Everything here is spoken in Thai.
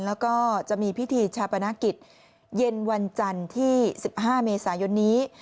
แล้วก็จะมีพิธีชาปนกิจเย็นวันจันทร์ที่๑๕เมษายนนี้